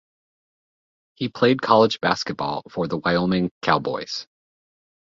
He played college basketball for the Wyoming Cowboys.